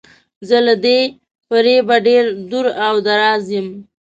زه له دې فریبه ډیر دور او دراز یم.